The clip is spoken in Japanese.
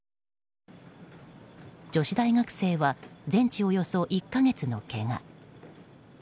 女子大学生は全治およそ１か月のけが。